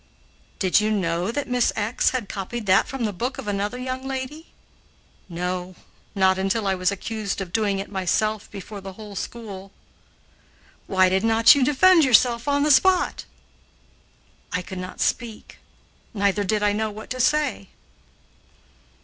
"Did you know that Miss had copied that from the book of another young lady?" "No, not until I was accused of doing it myself before the whole school." "Why did you not defend yourself on the spot?" "I could not speak, neither did I know what to say."